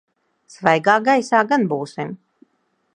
Svaigā gaisā gan būsim.